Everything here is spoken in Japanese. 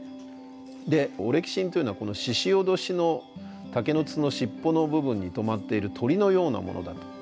オレキシンというのはこのししおどしの竹の筒の尻尾の部分にとまっている鳥のようなものだと。